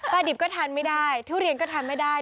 ดิบก็ทานไม่ได้ทุเรียนก็ทานไม่ได้